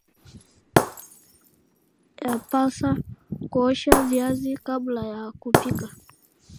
yapaasa kuosha viazi kabla ya kupika